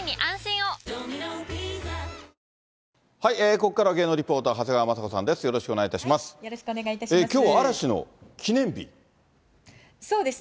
ここからは芸能リポーター、長谷川まさ子さんです。